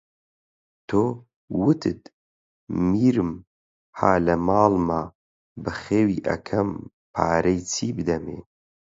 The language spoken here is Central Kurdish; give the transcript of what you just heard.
تۆ، وتت: میرم ها لە ماڵما بەخێوی ئەکەم پارەی چی بدەمێ؟